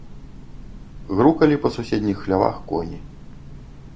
Грукалі па суседніх хлявах коні.